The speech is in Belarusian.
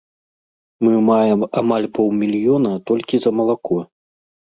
Мы маем амаль паўмільёна толькі за малако.